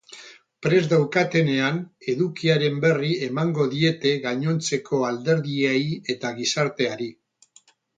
Prest daukatenean, edukiaren berri emango diete gainontzeko alderdiei eta gizarteari.